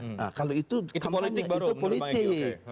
nah kalau itu kampanye itu politik